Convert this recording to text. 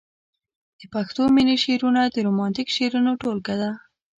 د پښتو مينې شعرونه د رومانتيک شعرونو ټولګه ده.